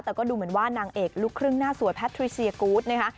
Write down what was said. แต่ก็ดูเหมือนว่านางเอกลูกครึ่งหน้าสวยแพทริเซียกูธนะคะ